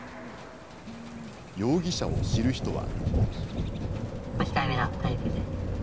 容疑者を知る人は。